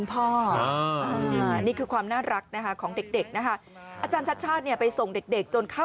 พี่อู๋ป่าวทรัมเป็ตตรงนี้ค่ะ